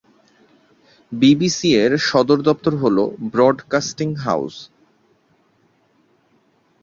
BBC এর সদর দপ্তর হলো "ব্রডকাস্টিং হাউস"।